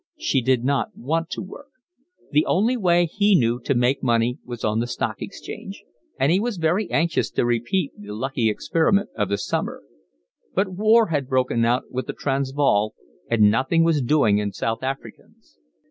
She did not want to work. The only way he knew to make money was on the Stock Exchange, and he was very anxious to repeat the lucky experiment of the summer; but war had broken out with the Transvaal and nothing was doing in South Africans.